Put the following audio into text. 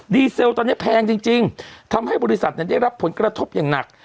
เซลตอนนี้แพงจริงทำให้บริษัทได้รับผลกระทบอย่างหนัก